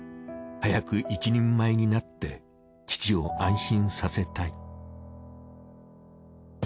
早く一人前になって父を安心させたい。